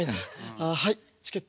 ああはいチケット。